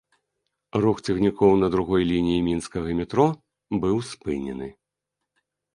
Рух цягнікоў на другой лініі мінскага метро быў спынены.